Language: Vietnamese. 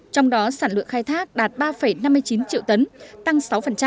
trong đó sản lượng khai thác đạt ba năm mươi chín triệu tấn tăng sáu